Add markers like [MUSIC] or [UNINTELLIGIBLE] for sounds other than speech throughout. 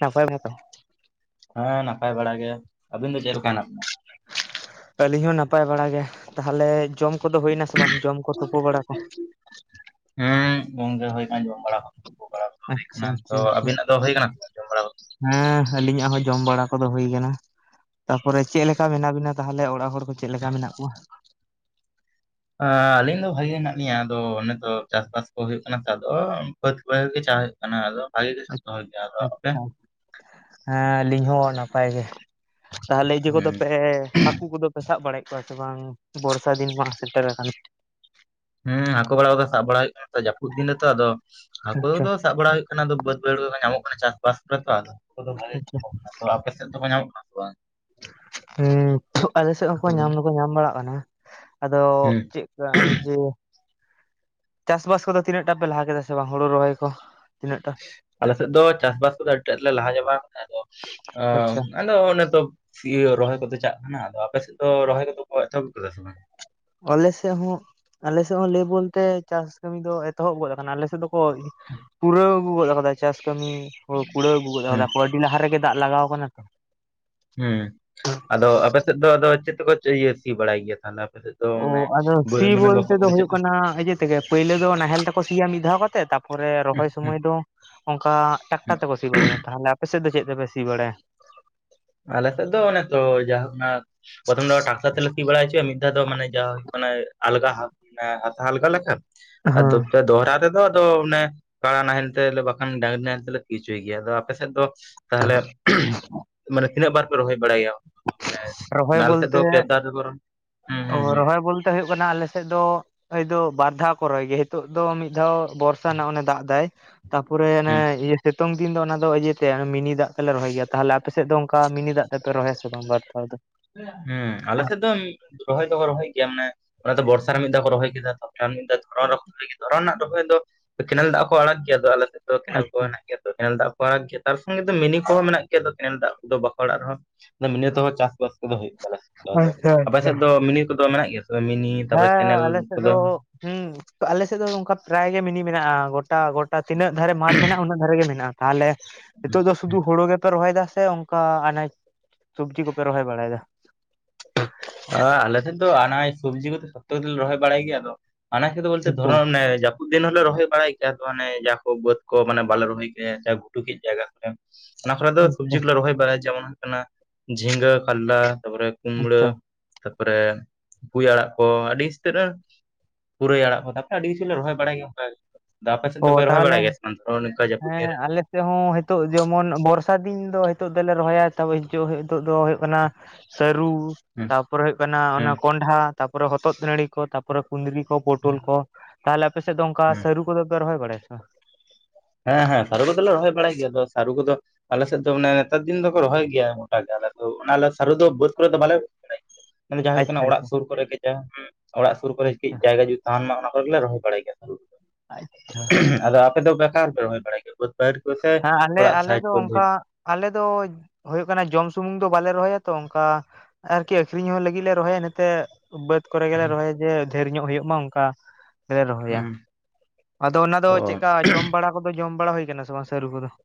ᱱᱟᱯᱟᱭ ᱜᱮ ᱛᱚ ᱦᱮᱸ ᱱᱟᱯᱟᱭ ᱵᱟᱲᱟ ᱜᱮ ᱟᱹᱵᱤᱱ ᱫᱚ ᱪᱮᱫ ᱞᱮᱠᱟ ᱦᱮᱱᱟᱜ ᱵᱤᱱᱟ ᱟᱹᱞᱤᱧ ᱦᱚᱸ ᱱᱟᱯᱟᱭ ᱵᱟᱲᱟ ᱜᱮ ᱛᱟᱦᱚᱞᱮ ᱡᱚᱢ ᱠᱚᱫᱚ ᱦᱩᱭᱱᱟ ᱥᱮ ᱵᱟᱝ ᱡᱚᱢ ᱠᱚ ᱛᱩᱯᱩ ᱵᱟᱲᱟ ᱠᱚ ᱦᱮᱸ [UNINTELLIGIBLE] ᱦᱩᱭ ᱟᱠᱟᱱᱟ ᱡᱚᱢ ᱵᱟᱲᱟ ᱠᱚᱛᱩᱯᱩ ᱵᱟᱲᱟ ᱦᱩᱭ ᱟᱪᱪᱷᱟ ᱟᱠᱟᱱᱟ ᱟᱪᱪᱷᱟ ᱛᱚ ᱟᱪᱪᱷᱟ ᱟᱵᱤᱱᱟᱜ ᱫᱚ ᱦᱩᱭ ᱟᱠᱟᱱᱟ ᱦᱮᱸ ᱟᱹᱞᱤᱧᱟᱜ ᱦᱚᱸ ᱡᱚᱢ ᱵᱟᱲᱟ ᱠᱚᱫᱚ ᱦᱩᱭ ᱠᱟᱱᱟ ᱛᱟᱯᱚᱨᱮ ᱪᱮᱫ ᱞᱮᱠᱟ ᱢᱮᱱᱟᱜ ᱵᱤᱱᱟ ᱛᱟᱦᱚᱞᱮ ᱚᱲᱟᱜ ᱦᱚᱲ ᱠᱚ ᱪᱮᱫ ᱞᱮᱠᱟ ᱢᱮᱱᱟᱜ ᱠᱚᱣᱟ? ᱟᱹᱞᱤᱧ ᱫᱚ ᱵᱷᱟᱜᱮ ᱦᱮᱱᱟᱜ ᱞᱤᱧᱟᱹ᱾ᱟᱫᱚ ᱱᱤᱛᱚᱜ ᱪᱟᱥᱵᱟᱥ ᱠᱚ ᱦᱩᱭᱩᱜ ᱠᱟᱱᱟ ᱛᱚ ᱟᱫᱚ ᱵᱟᱹᱫᱽ ᱵᱟᱹᱭᱦᱟᱹᱲ ᱜᱮ ᱪᱟᱣ ᱦᱩᱭᱩᱜ ᱠᱟᱱᱟ ᱠᱟᱱᱟ ᱟᱫᱚ ᱵᱷᱟᱜᱮ ᱥᱚᱠᱛᱚ ᱜᱮᱭᱟ᱾ᱟᱫᱚ ᱟᱯᱮ ᱟᱪᱪᱷᱟ ᱦᱮᱸ ᱟᱹᱞᱤᱧ ᱦᱚᱸ ᱱᱟᱯᱟᱭ ᱜᱮ᱾ᱛᱟᱦᱚᱞᱮ ᱤᱭᱟᱹ ᱠᱚᱫᱚ ᱦᱩᱸ ᱯᱮ ᱦᱟᱹᱠᱩ ᱠᱚᱫᱚ ᱥᱟᱵ ᱵᱟᱲᱟᱭᱮᱫ ᱠᱚᱣᱟ ᱥᱮ ᱵᱟᱝ ᱵᱚᱨᱥᱟ ᱫᱤᱱ ᱢᱟ ᱥᱮᱴᱮᱨ ᱟᱠᱟᱱᱟ᱾ ᱦᱮᱸ ᱦᱟᱹᱠᱩ ᱵᱟᱲᱟᱫᱚ ᱥᱟᱵ ᱵᱟᱲᱟ ᱦᱩᱭᱩᱜ ᱠᱟᱱᱟ ᱡᱟᱹᱯᱩᱫ ᱫᱤᱱ ᱨᱮᱛᱚ ᱟᱫᱚ ᱦᱟᱹᱠᱩ ᱟᱪᱪᱷᱟ ᱥᱟᱵ ᱵᱟᱲᱟ ᱦᱩᱭᱩᱜ ᱠᱟᱱᱟ᱾ᱟᱫᱚ ᱵᱟᱹᱫᱽ ᱵᱟᱹᱭᱟᱹᱲ ᱠᱚ ᱧᱟᱢᱚᱜ ᱠᱟᱱᱟ ᱪᱟᱥᱵᱟᱥ ᱠᱚᱨᱮ ᱛᱚ ᱟᱫᱚ ᱦᱟᱠᱳ ᱫᱚ ᱵᱷᱟᱜᱮ ᱟᱪᱪᱷᱟ ᱧᱟᱢᱚᱜ ᱠᱟᱱᱟ ᱛᱚ᱾ ᱟᱯᱮ ᱥᱮᱫ ᱫᱚᱠᱚ ᱧᱟᱢᱚᱜ ᱠᱟᱱᱟ ᱥᱮ ᱵᱟᱝ? ᱦᱩᱸ ᱟᱞᱮ ᱥᱮᱫ ᱦᱟᱹᱠᱩ ᱦᱚᱸᱠᱚ ᱧᱟᱢ ᱠᱚᱫᱚ? ᱫᱚᱠᱚ ᱧᱟᱢ ᱵᱟᱲᱟᱜ ᱠᱟᱱᱟ᱾ᱟᱫᱚ ᱦᱩᱸ ᱪᱮᱫ ᱡᱮ ᱪᱟᱥᱵᱟᱥ ᱠᱚᱫᱚ ᱛᱤᱱᱟᱹᱜ ᱴᱟ ᱯᱮ ᱞᱟᱦᱟ ᱠᱮᱫᱟ ᱥᱮ ᱵᱟᱝ ᱦᱳᱲᱳ ᱨᱚᱦᱚᱭ ᱠᱚ᱾ ᱛᱤᱱᱟᱹᱜ ᱴᱟ ᱟᱞᱮ ᱥᱮᱫ ᱫᱚ ᱪᱟᱥᱵᱟᱥ ᱠᱚᱫᱚ ᱟᱹᱰᱤ ᱴᱟᱹᱜ ᱞᱮ ᱞᱟᱦᱟ ᱪᱟᱵᱟᱭ ᱠᱟᱫᱟ᱾ ᱟᱫᱚ ᱟᱪᱪᱷᱟ ᱟᱫᱚ ᱚᱱᱮ ᱛᱚ ᱤᱭᱟᱹ ᱨᱚᱦᱚᱭ ᱠᱚᱫᱚ ᱪᱟᱜ ᱠᱟᱱᱟ᱾ ᱟᱫᱚ ᱟᱯᱮ ᱥᱮᱫ ᱫᱚ ᱨᱚᱦᱚᱭ ᱠᱚᱫᱚ ᱠᱚ ᱮᱛᱚᱦᱚᱵ ᱠᱟᱫᱟ ᱥᱮ ᱵᱟᱝ? ᱟᱞᱮ ᱥᱮᱫ ᱦᱚᱸ ᱟᱞᱮ ᱥᱮᱫ ᱦᱚᱸ ᱞᱮᱹᱭ ᱵᱚᱞᱛᱮ ᱪᱟᱥ ᱠᱟᱹᱢᱤ ᱫᱚ ᱮᱛᱚᱦᱚᱵ ᱜᱚᱫ ᱠᱟᱱᱟ᱾ ᱟᱞᱮ ᱥᱮᱫ ᱫᱚ ᱯᱩᱨᱟᱹᱣ ᱟᱹᱜᱩ ᱜᱚᱫ ᱠᱟᱫᱟᱭ ᱪᱟᱥ ᱠᱟᱹᱢᱤ ᱠᱩᱲᱟᱹᱣ ᱟᱹᱜᱩ ᱜᱚᱫ ᱟᱠᱟᱫᱟ᱾ ᱦᱩᱸ [UNINTELLIGIBLE] ᱞᱟᱦᱟ ᱨᱮᱜᱮ ᱫᱟᱜ ᱞᱟᱜᱟᱣ ᱠᱟᱱᱟ ᱛᱚ᱾ ᱦᱮᱸ ᱟᱫᱚ ᱟᱯᱮᱥᱮᱫ ᱫᱚ ᱟᱫᱚ ᱪᱮᱫ ᱛᱮᱠᱚ ᱥᱤ ᱵᱟᱲᱟᱭ ᱜᱮᱭᱟ ᱛᱟᱦᱚᱞᱮ ᱟᱯᱮ ᱥᱮᱫ ᱫᱚ᱾ ᱚ ᱢᱟᱱᱮ ᱟᱫᱚ ᱵᱟᱹᱭ ᱥᱤ ᱢᱟᱱᱮ ᱵᱚᱞᱛᱮ ᱞᱚᱥᱚᱫ ᱫᱚ ᱠᱚᱫᱚ ᱪᱮᱫ ᱦᱩᱭᱩᱜ ᱠᱟᱱᱟ ᱛᱮᱜᱮ ᱯᱩᱭᱞᱩ ᱫᱚ ᱱᱟᱦᱮᱞ ᱛᱮᱠᱚ ᱥᱤᱭᱟ ᱢᱤᱫ ᱫᱷᱟᱣ ᱠᱟᱛᱮᱜ ᱛᱟᱯᱚᱨᱮ ᱨᱚᱦᱚᱭ ᱥᱩᱢᱚᱭ ᱫᱚ ᱚᱝᱠᱟ ᱴᱟᱠᱴᱟᱨ ᱛᱮᱠᱚ ᱥᱤ ᱵᱟᱲᱟᱭᱟ᱾ ᱛᱟᱦᱚᱞᱮ ᱟᱯᱮ ᱥᱮᱫ ᱫᱚ ᱪᱮᱫ ᱛᱮᱯᱮ ᱥᱤ ᱵᱟᱲᱟᱭᱟ? ᱟᱞᱮ ᱥᱮᱫ ᱫᱚ ᱚᱱᱮ ᱛᱚ ᱡᱟᱭᱦᱳᱠ ᱱᱟᱜ ᱯᱨᱚᱛᱷᱚᱢ ᱫᱚ ᱴᱨᱟᱠᱴᱟᱨ ᱛᱮᱞᱮ ᱥᱤ ᱵᱟᱲᱟᱭ ᱦᱚᱪᱚᱭᱟ ᱢᱤᱫᱫᱷᱟᱣ ᱫᱚ ᱢᱟᱱᱮ ᱡᱟ ᱦᱩᱭᱩᱜ ᱠᱟᱱᱟ ᱟᱞᱜᱟ ᱦᱟᱞᱠᱟ ᱞᱮᱠᱟ ᱟᱫᱚ ᱦᱮᱸ ᱫᱚᱦᱨᱟ ᱛᱮᱫᱚ, ᱟᱫᱚ ᱚᱱᱮ ᱠᱟᱲᱟ ᱱᱟᱦᱮᱞ ᱛᱮ ᱵᱟᱠᱷᱟᱱ ᱰᱟᱝᱨᱤ ᱱᱟᱦᱮᱞ ᱛᱮᱞᱮ ᱥᱤ ᱦᱚᱪᱚᱭ ᱜᱮᱭᱟ᱾ ᱟᱫᱚ ᱟᱯᱮᱥᱮᱫ ᱫᱚ? ᱛᱟᱦᱚᱞᱮ ᱢᱟᱱᱮ ᱛᱤᱱᱟᱹᱜ ᱵᱟᱨ ᱯᱮ ᱨᱚᱦᱚᱭ ᱵᱟᱲᱟᱭᱟ ᱨᱚᱦᱚᱭ ᱟᱞᱮ ᱥᱮᱫ ᱫᱚ ᱵᱚᱞᱛᱮ ᱯᱮ ᱵᱟᱨ ᱨᱚᱦᱚᱭ᱾ ᱦᱩᱸ ᱚ ᱦᱩᱸ ᱦᱩᱸ ᱨᱚᱦᱚᱭ ᱵᱚᱞᱛᱮ ᱦᱩᱭᱩᱜ ᱠᱟᱱᱟ ᱟᱞᱮᱥᱮᱫ ᱫᱚ ᱠᱷᱚᱡᱽ ᱫᱚ ᱵᱟᱨ ᱫᱷᱟᱣ ᱠᱚ ᱨᱚᱦᱚᱭ ᱜᱮᱭᱟ᱾ ᱦᱮᱛᱚᱜ ᱫᱚ ᱢᱤᱫ ᱫᱷᱟᱣ ᱵᱚᱨᱥᱟ ᱱᱟᱜ ᱚᱱᱮ ᱫᱟᱜ ᱫᱟᱭ ᱛᱟᱯᱚᱨᱮ ᱦᱩᱸ ᱚᱱᱮ ᱤᱭᱟᱹ ᱥᱤᱛᱚᱝ ᱫᱤᱱ ᱫᱚ ᱚᱱᱟᱫᱚ ᱤᱭᱟᱹᱛᱮ ᱢᱤᱱᱤ ᱫᱟᱜ ᱛᱮᱞᱮ ᱨᱚᱦᱚᱭ ᱜᱮᱭᱟ᱾ᱛᱟᱦᱚᱞᱮ ᱟᱯᱮᱥᱮᱫ ᱫᱚ ᱚᱝᱠᱟ ᱢᱤᱱᱤ ᱫᱟᱜ ᱛᱮᱯᱮ ᱨᱚᱦᱚᱭᱟ ᱵᱟᱨ ᱫᱷᱟᱣ ᱫᱚ᱾ ᱦᱩᱸ ᱟᱞᱮ ᱥᱮᱫ ᱫᱚ ᱨᱚᱦᱚᱭ ᱫᱚᱠᱚ ᱨᱚᱦᱚᱭ ᱜᱮᱭᱟ ᱢᱟᱱᱮ ᱚᱱᱟ ᱛᱚ ᱵᱚᱨᱥᱟ ᱨᱮ ᱢᱤᱫ ᱫᱷᱟᱣ ᱠᱚ ᱨᱚᱦᱚᱭ ᱠᱮᱫᱟ ᱛᱚ᱾ ᱢᱤᱫ ᱫᱷᱟᱣ ᱫᱷᱚᱨᱚᱱ ᱨᱮ ᱨᱚᱦᱚᱭ ᱠᱮᱫᱟ, ᱫᱷᱚᱨᱚᱱ ᱨᱮᱱᱟᱜ ᱨᱚᱦᱚᱭ ᱫᱚ ᱠᱮᱱᱮᱞ ᱫᱟᱜ ᱦᱚᱠᱚ ᱟᱲᱟᱜ ᱜᱮᱭᱟ᱾ᱟᱞᱮᱥᱮᱫ ᱫᱚ ᱠᱮᱱᱮᱞ ᱠᱚ ᱟᱪᱪᱷᱟ ᱦᱮᱱᱟᱜᱼᱟ᱾ ᱠᱮᱱᱮᱞ ᱫᱟᱜ ᱠᱚᱦᱚ ᱟᱲᱟᱜ ᱜᱮᱭᱟ᱾ᱛᱟᱨ ᱥᱚᱝᱜᱮ ᱫᱚ ᱢᱤᱱᱤ ᱠᱚᱦᱚᱸ ᱢᱮᱱᱟᱜ ᱜᱮᱭᱟ ᱛᱚ, ᱠᱮᱱᱮᱞ ᱫᱟᱜ ᱠᱚᱫᱚ ᱵᱟᱠᱚ ᱟᱲᱟᱹᱜ ᱨᱮᱦᱚᱸ ᱢᱤᱱᱤ ᱛᱮᱦᱚᱸ ᱪᱟᱥᱵᱟᱥ ᱠᱚᱫᱚ ᱦᱩᱭᱩᱜ ᱟᱪᱪᱷᱟ ᱠᱟᱱᱟ᱾ᱟᱯᱮ ᱟᱪᱪᱷᱟ ᱥᱮᱫ ᱫᱚ ᱢᱤᱱᱤ ᱠᱚᱫᱚ ᱢᱮᱱᱟᱜ ᱜᱮᱭᱟ ᱥᱮ ᱢᱤᱱᱤ ᱛᱟᱯᱚᱨᱮ ᱦᱮᱸ ᱠᱮᱱᱮᱞ ᱟᱞᱮ ᱥᱮᱫ ᱠᱚᱫᱚ ᱫᱚ ᱦᱩᱸ ᱛᱚ ᱟᱞᱮᱥᱮᱫ ᱫᱚ ᱱᱚᱱᱠᱟ ᱯᱨᱟᱭ ᱜᱮ ᱢᱤᱱᱤ ᱢᱮᱱᱟᱜᱼᱟ᱾ᱜᱚᱴᱟ ᱜᱚᱴᱟ ᱛᱤᱱᱟᱹᱜ ᱫᱷᱟᱨᱮ ᱢᱟᱴ ᱢᱮᱱᱟᱜᱼᱟ, ᱩᱱᱟᱹᱜ ᱫᱷᱟᱨᱮ ᱜᱮ ᱢᱮᱱᱟᱜᱼᱟ ᱾ᱛᱟᱦᱚᱞᱮ ᱱᱤᱛᱳᱜ ᱫᱚ ᱥᱩᱫᱷᱩ ᱦᱳᱲᱳ ᱜᱮᱯᱮ ᱨᱚᱦᱚᱭ ᱫᱟ ᱥᱮ ᱚᱝᱠᱟ ᱟᱱᱟᱡ ᱥᱚᱵᱽᱡᱤ ᱠᱚᱯᱮ ᱨᱚᱦᱚᱭ ᱵᱟᱲᱟᱭᱮᱫᱟ ᱟᱞᱮᱥᱮᱫ ᱫᱚ ᱟᱱᱟᱡ ᱥᱚᱵᱽᱡᱤ ᱠᱚᱫᱚ ᱡᱷᱳᱛᱚᱜᱮᱞᱮ ᱨᱚᱦᱚᱭ ᱵᱟᱲᱟᱭ ᱜᱮᱭᱟ᱾ ᱟᱫᱚ ᱟᱱᱟᱡ ᱠᱚᱫᱚ ᱵᱚᱞᱛᱮ ᱟᱪᱪᱷᱟ ᱫᱷᱚᱨᱚᱱ ᱚᱱᱮ ᱡᱟᱹᱯᱩᱫ ᱫᱤᱱ ᱦᱚᱞᱮ ᱨᱚᱦᱚᱭ ᱵᱟᱲᱟᱭ ᱜᱮᱭᱟ ᱛᱚ, ᱚᱱᱮ ᱡᱟ ᱠᱚ ᱵᱟᱹᱫᱽ ᱠᱚ ᱢᱟᱱᱮ ᱵᱟᱞᱮ ᱨᱚᱦᱚᱭ ᱜᱮ ᱥᱮ ᱜᱷᱩᱴᱩ ᱠᱮᱫ ᱡᱟᱭᱜᱟ ᱠᱚᱨᱮ ᱚᱱᱟ ᱠᱚᱨᱮ ᱫᱚ ᱥᱚᱵᱽᱡᱤ ᱟᱪᱪᱷᱟ ᱠᱚᱞᱮ ᱨᱚᱦᱚᱭ ᱵᱟᱲᱟᱭᱟ ᱡᱮᱢᱚᱱ ᱦᱩᱭᱩᱜ ᱠᱟᱱᱟ᱾ ᱡᱷᱤᱸᱜᱟᱹ ᱠᱟᱞᱞᱟ ᱛᱟᱯᱚᱨᱮ ᱠᱩᱢᱲᱟᱹ ᱟᱪᱪᱷᱟ ᱛᱟᱨᱯᱚᱨᱮ ᱯᱩᱭ ᱟᱲᱟᱜ ᱠᱚ, ᱟᱹᱰᱤ ᱩᱥᱛᱟᱹᱨ ᱯᱩᱨᱟᱹᱭ ᱟᱲᱟᱜ ᱠᱚ᱾ ᱛᱟᱯᱚᱨᱮ ᱟᱹᱰᱤ ᱠᱤᱪᱷᱩ ᱞᱮ ᱨᱚᱦᱚᱭ ᱵᱟᱲᱟᱭ ᱜᱮᱭᱟ ᱚᱱᱠᱟ ᱜᱮ᱾ ᱟᱯᱮ ᱥᱮᱫ ᱚ ᱫᱚᱯᱮ ᱨᱚᱦᱚᱭ ᱵᱟᱲᱟᱭ ᱜᱮᱭᱟ ᱥᱮ ᱵᱟᱝ ᱱᱚᱠᱟ ᱡᱟᱹᱯᱩᱫ ᱫᱤᱱ ᱨᱮ ᱛᱮᱦᱚᱸ ᱦᱮᱛᱚᱜ ᱡᱮᱢᱚᱱ ᱵᱚᱨᱥᱟ ᱫᱤᱱ ᱫᱚ ᱱᱤᱛᱚᱜ ᱫᱚᱞᱮ ᱨᱚᱦᱚᱭᱟ ᱛᱟᱯᱚᱨᱮ [UNINTELLIGIBLE] ᱱᱤᱛᱚᱜ ᱫᱚ ᱦᱩᱭᱩᱜ ᱠᱟᱱᱟ᱾ ᱥᱟᱹᱨᱩ ᱦᱩᱸ ᱛᱟᱯᱚᱨᱮ ᱦᱩᱭᱩᱜ ᱠᱟᱱᱟ ᱚᱱᱟ ᱦᱩᱸ ᱠᱚᱸᱰᱷᱟ ᱛᱟᱯᱚᱨᱮ ᱦᱚᱛᱚᱫᱱᱟᱲᱤ ᱛᱟᱯᱚᱨᱮ ᱠᱩᱸᱫᱽᱨᱤ ᱠᱚ ᱯᱚᱴᱚᱞ ᱦᱩᱸ ᱠᱚ᱾ ᱛᱟᱦᱚᱞᱮ ᱟᱯᱮᱥᱮᱫ ᱫᱚ ᱚᱱᱠᱟ ᱦᱩᱸ ᱥᱟᱹᱨᱩ ᱠᱚᱫᱚ ᱯᱮ ᱨᱚᱦᱚᱭ ᱵᱟᱲᱟᱭᱟ ᱥᱮ ᱵᱟᱝ? ᱦᱮᱸ ᱦᱮᱸ ᱥᱟᱹᱨᱩ ᱠᱚᱫᱚᱞᱮ ᱨᱚᱦᱚᱭ ᱵᱟᱲᱟᱭ ᱜᱮᱭᱟ᱾ ᱟᱫᱚ ᱥᱟᱨᱩ ᱠᱚᱫᱚ ᱟᱞᱮ ᱥᱮᱫ ᱫᱚ ᱢᱟᱱᱮ ᱱᱮᱛᱟᱨ ᱫᱤᱱ ᱫᱚᱠᱚ ᱨᱚᱦᱚᱭ ᱜᱮᱭᱟ᱾ᱢᱚᱴᱟ ᱜᱮ ᱟᱞᱮᱫᱚ ᱚᱱᱟᱞᱮ ᱥᱟᱹᱨᱩ ᱫᱚ ᱵᱟᱹᱫᱽ ᱠᱚᱨᱮ ᱫᱚ ᱵᱟᱞᱮ ᱵᱟᱲᱟᱭᱟ, [INAUDIBLE] ᱡᱟᱦᱟᱸ ᱦᱩᱭᱩᱜ ᱠᱟᱱᱟ ᱚᱲᱟᱜ ᱥᱩᱨ ᱠᱚᱨᱮ ᱜᱮ ᱡᱟᱦᱟᱸ‌ ᱦᱩᱸ ᱚᱲᱟᱜ ᱥᱩᱨ ᱠᱚᱨᱮ ᱠᱤᱡ ᱟᱪᱪᱷᱟ ᱟᱪᱪᱷᱟ ᱡᱟᱭᱜᱟ ᱡᱩᱫᱤ ᱥᱟᱱ ᱢᱟ ᱚᱱᱟ ᱠᱚᱜᱮᱞᱮ ᱨᱚᱦᱚᱭ ᱵᱟᱲᱟᱭ ᱜᱮᱭᱟ ᱥᱟᱹᱨᱩ ᱫᱚ ᱟᱪᱪᱷᱟ ᱟᱫᱚ ᱟᱯᱮ ᱫᱚ ᱵᱮᱠᱟᱨ ᱯᱮ ᱨᱚᱦᱚᱭ ᱵᱟᱲᱟᱭ ᱜᱮᱭᱟ ᱯᱟᱹᱴ ᱠᱚᱥᱮ ᱦᱮᱸ ᱟᱞᱮ ᱚᱲᱟᱜ ᱟᱞᱮ ᱥᱟᱭᱤᱰ ᱠᱚ ᱫᱚ ᱚᱱᱠᱟ ᱟᱞᱮ ᱫᱚᱡ ᱦᱩᱭᱩᱜ ᱠᱟᱱᱟ ᱡᱚᱢ ᱥᱩᱢᱩᱝ ᱫᱚ ᱵᱟᱞᱮ ᱨᱚᱦᱚᱭᱟ ᱛᱚ ᱚᱝᱠᱟ ᱟᱨᱠᱤ ᱟᱠᱷᱨᱤᱧ ᱦᱚᱸ ᱞᱟᱹᱜᱤᱜ ᱞᱮ ᱨᱚᱦᱚᱭᱟ ᱱᱤᱛᱮ ᱵᱟᱹᱫ ᱠᱚᱨᱮ ᱜᱮᱞᱮ ᱨᱚᱦᱚᱭᱟ ᱡᱮ ᱫᱷᱮᱨ ᱧᱚᱜ ᱦᱩᱭᱩᱜ ᱢᱟ ᱚᱝᱠᱟ ᱥᱮ ᱨᱚᱦᱚᱭᱟ ᱟᱫᱚ ᱚᱱᱟ ᱫᱚ ᱚ ᱪᱮᱫ ᱠᱟ ᱡᱚᱢ ᱵᱟᱲᱟ ᱠᱚᱫᱚ ᱡᱚᱢ ᱵᱟᱲᱟ ᱦᱩᱭ ᱟᱠᱟᱱᱟ ᱥᱮ ᱵᱟᱝ ᱥᱟᱹᱨᱩ ᱠᱚᱫᱚ ᱾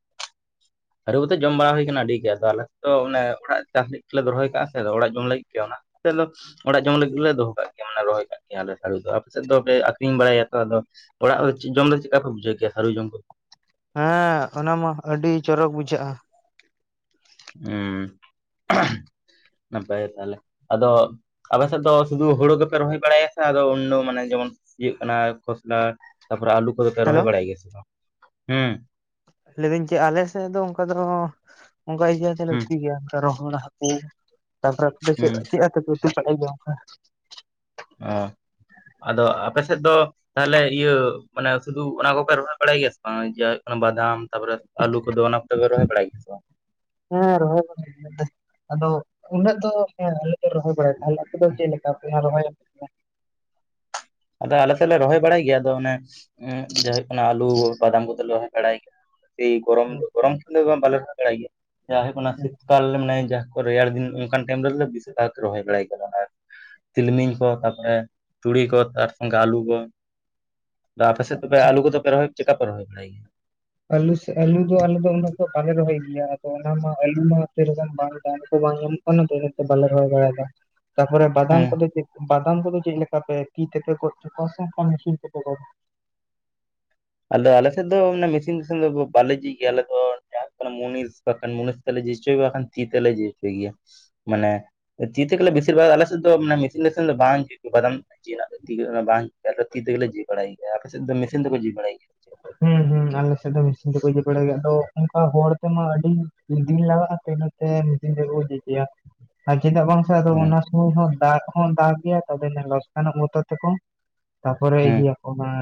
ᱟᱹᱟᱹᱨᱩᱵ ᱠᱟᱛᱮᱮᱫ ᱡᱚᱢ ᱵᱟᱲᱟ ᱦᱩᱭ ᱟᱠᱟᱱᱟ ᱟᱹᱰᱤ ᱜᱮ ᱟᱫᱚ ᱟᱞᱮᱮᱫᱚ ᱚᱱᱮ ᱚᱲᱟᱜ ᱪᱟᱥ ᱞᱟᱹᱜᱤᱫ ᱜᱮᱞᱮ ᱨᱚᱦᱚᱭ ᱠᱟᱜ-ᱟ ᱥᱮ ᱟ ᱚᱲᱟᱜ ᱡᱚᱢ ᱞᱟᱹᱜᱤᱫ ᱜᱮ ᱚᱱᱟ ᱾ [UNINTELLIGIBLE] ᱚᱲᱟᱜ ᱡᱚᱢ ᱞᱟᱹᱜᱤᱫᱞᱮ ᱫᱚᱦᱚ ᱠᱟᱜ ᱜᱮᱭᱟ ᱢᱟᱱᱮ ᱨᱚᱦᱚᱭ ᱠᱟᱜ ᱠᱮᱭᱟᱞᱮ ᱟᱯᱮ ᱥᱮᱫ ᱫᱚᱯᱮ ᱟᱠᱷᱨᱤᱧ ᱵᱟᱲᱟᱭᱟ ᱛᱚ ᱟᱫᱚ ᱚᱲᱟᱜ ᱪᱤᱜ ᱡᱚᱢ ᱫᱚ ᱪᱮᱫ ᱞᱮᱠᱟ ᱯᱮ ᱵᱩᱡᱷᱟᱹᱣ ᱠᱮ ᱦᱟᱹᱨᱩ ᱡᱚᱢ ᱠᱚ ᱾ ᱦᱮᱸ ᱚᱱᱟᱢᱟ ᱟᱹᱰᱤ ᱪᱚᱨᱚᱠ ᱵᱩᱡᱷᱟᱹᱜ-ᱟ ᱾ ᱦᱩᱸ ᱱᱟᱯᱟᱭ ᱛᱟᱦᱚᱞᱮ ᱟᱫᱚ ᱾ ᱟᱵᱮ ᱥᱮᱫ ᱫᱚ ᱥᱩᱫᱩ ᱦᱩᱲᱩ ᱜᱮᱯᱮ ᱨᱚᱦᱚᱭ ᱵᱟᱲᱟᱭᱟ ᱥᱮ ᱟᱫᱚ ᱩᱱᱱᱚ ᱢᱟᱱᱮ ᱡᱮᱢᱚᱱ ᱤᱧᱟᱜ ᱠᱟᱱᱟ ᱠᱷᱚᱥᱞᱟ ᱾ ᱛᱟᱯᱚᱨᱮ ᱟᱹᱞᱩ ᱠᱚᱫᱚ ᱯᱮ ᱨᱚᱦᱚᱭ ᱦᱮᱞᱳ ᱵᱟᱲᱟᱭ ᱜᱮᱭᱟ ᱥᱮ ᱵᱟᱝ ᱦᱮᱸ᱾ ᱞᱟᱹᱭ ᱫᱟᱹᱧ ᱪᱮᱫ ᱟᱞᱮ ᱥᱮᱫ ᱫᱚ ᱚᱱᱠᱟ ᱫᱚ ᱚᱱᱠᱟ ᱤᱭᱟᱹ ᱛᱮᱞᱮ ᱩᱛ ᱦᱩᱸ ᱜᱮᱭᱟ ᱚᱱ ᱨᱚᱦᱚᱲ ᱦᱟᱹᱠᱩ ᱾ ᱛᱟᱯᱚᱨᱮ ᱟᱯᱮ ᱫᱚ ᱪᱮᱫ ᱦᱩᱸ ᱪᱮᱫ ᱛᱮᱯᱮ ᱩᱛᱩ ᱵᱟᱲᱟᱭ ᱜᱮᱭᱟ ᱚᱝᱠᱟᱹ ᱚᱸ ᱟᱫᱚ ᱟᱯᱮᱥᱮᱫ ᱫᱚ ᱛᱟᱦᱚᱞᱮ ᱤᱭᱟᱹ ᱢᱟᱱᱮ ᱥᱩᱫᱩ ᱚᱱᱟ ᱠᱚᱯᱮ ᱨᱚᱦᱚᱭ ᱵᱟᱲᱟᱭ ᱜᱮᱭᱟ ᱥᱮ ᱵᱟᱝ ᱡᱮ ᱾ ᱵᱟᱫᱟᱢ ᱛᱟᱯᱚᱨᱮ ᱟᱞᱩ ᱠᱚ ᱫᱚ ᱚᱱᱟ ᱠᱚ ᱫᱚ ᱯᱮ ᱨᱚᱦᱚᱭ ᱵᱟᱲᱟᱭ ᱜᱮᱭᱟ ᱥᱮ ᱾ ᱦᱮᱸ ᱨᱚᱦᱚᱭ ᱟᱫᱚ ᱩᱱᱟᱹᱜ ᱫᱚ ᱾ ᱦᱮᱸ ᱟᱞᱮ ᱫᱚ ᱨᱚᱦᱚᱭ ᱵᱟᱲᱟᱭᱟ ᱟᱞᱮ ᱫᱚ ᱪᱮᱫᱮ ᱞᱮᱠᱟ ᱨᱚᱦᱚᱭ ᱾ ᱟᱫᱚ ᱟᱞᱮ ᱥᱮᱫᱞᱮ ᱨᱚᱦᱚᱭ ᱵᱟᱲᱟᱭ ᱜᱮᱭᱟ ᱟᱫᱚ ᱚᱱᱮ ᱡᱟ ᱦᱩᱭᱩᱜ ᱠᱟᱱᱟ ᱟᱞᱩ ᱵᱟᱫᱟᱢ ᱠᱚᱫᱚᱞᱮ ᱨᱚᱦᱚᱭ ᱵᱟᱲᱟᱭ ᱜᱮᱭᱟ ᱾ ᱥᱮ ᱜᱚᱨᱚᱢ ᱫᱚ ᱜᱚᱨᱚᱢ ᱫᱤᱱ ᱵᱟᱞᱮ ᱠᱚᱨᱣ ᱵᱟᱲᱟ ᱜᱮᱭᱟ ᱡᱟᱦᱟᱸ ᱚᱱᱟ ᱦᱩᱭᱩᱜ ᱠᱟᱱᱟ ᱥᱤᱛ ᱠᱟᱞ ᱢᱟᱱᱮ ᱾ ᱨᱮᱭᱟᱲ ᱫᱤᱱ ᱚᱱᱠᱟᱱ ᱴᱟᱭᱤᱢ ᱨᱮᱜᱮ ᱵᱮᱥᱤᱨ ᱵᱷᱟᱜ ᱜᱮ ᱨᱚᱦᱚᱭ ᱵᱟᱲᱟᱭ ᱜᱮᱭᱟᱞᱮ ᱾ ᱛᱤᱞᱢᱤᱧ ᱠᱚ ᱛᱟᱯᱚᱨᱮ ᱪᱩᱲᱤ ᱠᱚ ᱾ ᱴᱟᱨ ᱥᱚᱝᱜᱮ ᱟᱞᱩ ᱠᱚ ᱟᱯᱮ ᱟᱪᱪᱷᱟ ᱥᱮᱫ ᱫᱚᱯᱮ ᱟᱪᱪᱷᱟ ᱟᱞᱩ ᱠᱚᱫᱚ ᱯᱮ ᱨᱚᱦᱚᱭ ᱪᱮᱠᱟ ᱯᱮ ᱨᱚᱦᱚᱭ ᱵᱟᱲᱟᱭ ᱜᱮᱭᱟ ᱾ ᱟᱞᱩ ᱥᱮ ᱟᱞᱩ ᱫᱚ ᱟᱞᱮ ᱫᱚ ᱩᱱᱟᱹᱜ ᱫᱚ ᱵᱟᱞᱮ ᱨᱚᱦᱚᱭ ᱜᱮᱭᱟ ᱟᱫᱚ ᱚᱱᱟ ᱢᱟ ᱟᱞᱩ ᱢᱟᱯ ᱨᱚᱠᱟᱱ ᱵᱟᱝ ᱾ ᱯᱟᱢ ᱠᱚ ᱵᱟᱝ ᱧᱟᱢᱚᱜ ᱠᱟᱱᱟ ᱛᱚ ᱤᱛᱮ ᱵᱟᱞᱮ ᱨᱚᱦᱚᱭ ᱵᱟᱲᱟᱭᱮᱫᱟ ᱛᱟᱯᱚᱨᱮ ᱵᱟᱫᱟᱢ ᱦᱮᱸ ᱠᱚᱫᱚ ᱪᱮᱫ ᱾ ᱵᱟᱫᱟᱢ ᱠᱚᱫᱚ ᱪᱮᱫ ᱞᱮᱠᱟ ᱯᱮ ᱛᱤ ᱛᱮᱯᱮ ᱜᱚᱫ ᱦᱚ ᱠᱚᱣᱟ ᱥᱮ ᱢᱮᱥᱤᱱ ᱛᱮᱯᱮ ᱜᱚᱫᱣᱟ ᱾ ᱟᱫᱚ ᱟᱞᱮ ᱥᱮᱫ ᱫᱚ ᱢᱮᱥᱤᱱ-ᱥᱤᱱ ᱫᱚ ᱵᱟᱞᱮ ᱡᱷᱤᱡ ᱜᱮᱭᱟ ᱟᱞᱮ ᱫᱚ ᱾ ᱢᱩᱱᱤᱥ ᱵᱟᱠᱷᱟᱱ ᱢᱩᱱᱤᱥ ᱛᱮ ᱵᱟᱝ ᱠᱷᱟᱱ ᱛᱤᱛᱮ ᱞᱮ ᱡᱷᱤᱞ ᱦᱚᱪᱭᱟ ᱢᱟᱱᱮ ᱾ ᱛᱤ ᱜᱮᱞᱮ ᱵᱮᱥᱤᱨ ᱵᱷᱟᱜᱽ ᱟᱞᱮ ᱥᱮᱫ ᱫᱚ ᱢᱮᱥᱤᱱ ᱱᱤᱥᱤᱱ ᱫᱚ ᱵᱟᱝ ᱡᱷᱤᱞ ᱾ ᱡᱤ ᱨᱮᱱᱟᱜ ᱫᱚ ᱛᱤ ᱵᱟᱝ ᱛᱤ ᱛᱮᱜᱮ ᱡᱤ ᱵᱟᱲᱟᱭ ᱜᱮᱭᱟ ᱟᱯᱮ ᱥᱮᱫ ᱫᱚ ᱢᱮᱥᱤᱱ ᱛᱮᱠᱚ ᱡᱤ ᱵᱟᱲᱟᱭ ᱜᱮᱭᱟ ᱾ ᱦᱮᱸ ᱦᱩᱸ ᱟᱞᱮᱥᱮᱫ ᱫᱚ ᱢᱮᱥᱤᱱ ᱛᱮᱠᱚ ᱡᱤ ᱵᱟᱲᱟᱭ ᱜᱮ ᱟᱫᱚ ᱚᱱᱠᱟ ᱦᱚᱲ ᱛᱮᱢᱟ ᱟᱹᱰᱤ ᱫᱤᱱ ᱞᱟᱜᱟᱜ-ᱟ ᱛᱚ ᱤᱱᱟᱹᱛᱮ᱾ ᱢᱤᱫ ᱫᱤᱱ ᱨᱮᱠᱚ ᱤᱫᱤ ᱠᱮᱭᱟ ᱟᱨ ᱪᱮᱫᱟᱜ ᱵᱟᱝ ᱾ ᱟᱫᱚ ᱦᱮᱸ ᱚᱱᱟ ᱥᱚᱢᱚᱭ ᱦᱚᱸ ᱫᱟᱜ ᱦᱚᱸ ᱫᱟᱜ ᱜᱮᱭᱟ ᱛᱮ ᱞᱚᱥᱠᱟᱱᱟᱜᱚᱜ ᱢᱚᱛᱚ ᱛᱮᱠᱚ ᱾ ᱛᱟᱨᱯᱚᱨᱮ ᱦᱮᱸ ᱤᱭᱟᱹ